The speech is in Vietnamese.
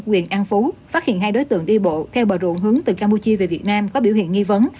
quyền an phú phát hiện hai đối tượng đi bộ theo bờ ruộng hướng từ campuchia về việt nam có biểu hiện nghi vấn